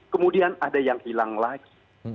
kemudian ada yang hilang lagi